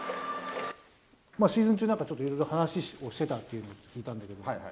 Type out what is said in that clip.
シーズン中になんか、いろいろ話をしてたって聞いたんだけど？